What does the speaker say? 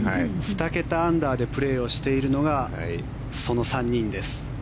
２桁アンダーでプレーをしているのがその３人です。